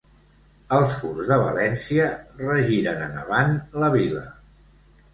Els Furs de València, regiren en avant la Vila.